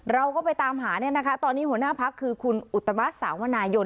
เราก็ไปตามหาเนี่ยนะคะตอนนี้หัวหน้าพักคือคุณอุตมะสาวนายน